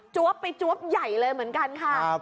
วบไปจวบใหญ่เลยเหมือนกันค่ะ